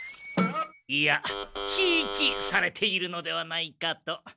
いやひいきされているのではないかと。